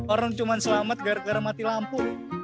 orang cuma selamat gara gara mati lampu